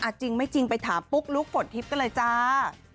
จริงไม่จริงไปถามปุ๊กลุ๊กฝนทิพย์กันเลยจ้า